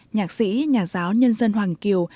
nhạc sĩ nhà giáo nhân dân hoàng kiều